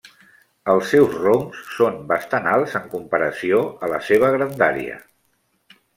Els seus roncs són bastant alts en comparació a la seva grandària.